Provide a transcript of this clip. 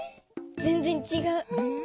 ぜんぜんちがう。